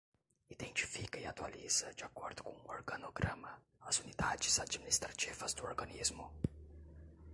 Identifica e atualiza, de acordo com o organograma, as unidades administrativas do organismo.